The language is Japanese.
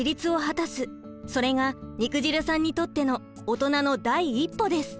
それが肉汁さんにとってのオトナの第一歩です。